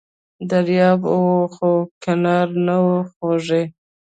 دریاب و خو کناره نه وه خوږې!